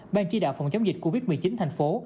ban chỉ đạo phòng chống dịch covid một mươi chín thành phố